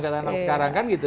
katanya sekarang kan gitu